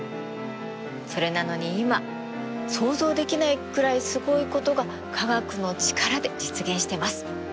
それなのに今想像できないくらいすごいことが科学の力で実現してます。